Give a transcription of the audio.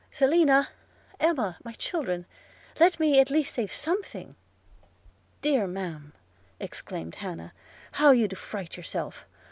– Selina! Emma! my children! let me at least save something.' 'Dear ma'am,' exclaimed Hannah, 'how you do fright yourself!